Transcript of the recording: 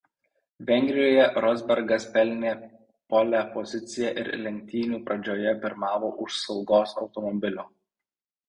Vengrijoje Rosbergas pelnė pole poziciją ir lenktynių pradžioje pirmavo už saugos automobilio.